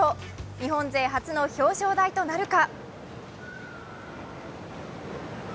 日本勢初の表彰台となるか？